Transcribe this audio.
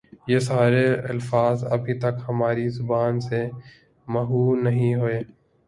یہ سارے الفاظ ابھی تک ہماری زبان سے محو نہیں ہوئے